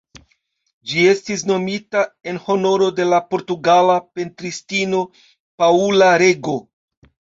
Ĝi estis nomita en honoro de la portugala pentristino Paula Rego.